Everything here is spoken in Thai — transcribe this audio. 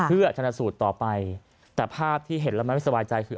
เพื่อชนะสูตรต่อไปแต่ภาพที่เห็นแล้วมันไม่สบายใจคือ